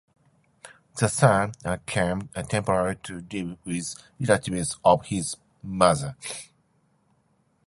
The son came temporarily to live with relatives of his mother.